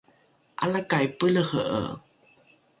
’alakai pelehe’e